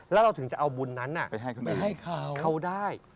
แล้วเราถึงจะเอาบุญนั้นไปให้เขาได้